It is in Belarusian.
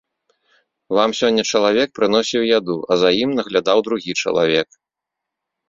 Вам сёння чалавек прыносіў яду, а за ім наглядаў другі чалавек.